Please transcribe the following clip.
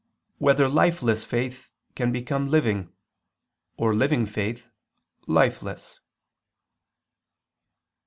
4] Whether Lifeless Faith Can Become Living, or Living Faith, Lifeless?